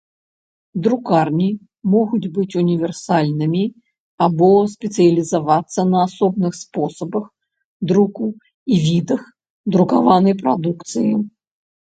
Друкарні могуць быць універсальнымі або спецыялізавацца на асобных спосабах друку і відах друкаванай прадукцыі.